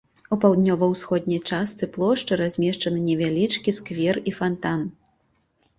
У паўднёва-ўсходняй частцы плошчы размешчаны невялічкі сквер і фантан.